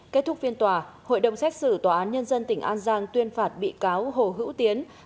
kết thúc phiên tòa hội đồng xét xử tòa án nhân dân tỉnh an giang tuyên phạt bị cáo hồ hữu tiến